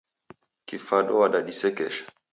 Kifado wadadisekesha.